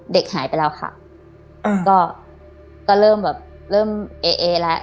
เด็กหายไปแล้วค่ะก็ก็เริ่มแบบเริ่มเอแล้ว